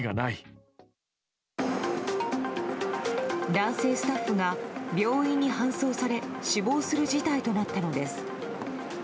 男性スタッフが病院に搬送され死亡する事態となったのです。